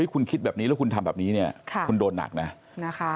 คุณคิดแบบนี้แล้วคุณทำแบบนี้เนี่ยคุณโดนหนักนะนะคะ